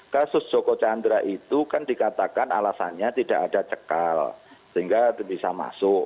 kasus joko chandra itu kan dikatakan alasannya tidak ada cekal sehingga bisa masuk